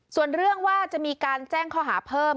ส่วนเรื่องว่าจะมีการแจ้งข้อหาเพิ่ม